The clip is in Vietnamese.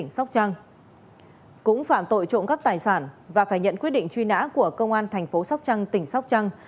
cũng phạm tội trộm cắp tài sản và phải nhận quyết định truy nã của công an thành phố sóc trăng tỉnh sóc trăng